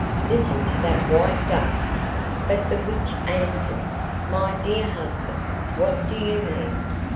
Listen to that White Duck.' But the witch answered, 'My dear husband, what do you mean?